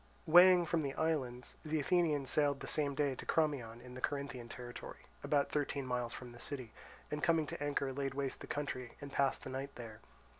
Weighing from the islands, the Athenians sailed the same day to Crommyon in the Corinthian territory, about thirteen miles from the city, and coming to anchor laid waste the country, and passed the night there.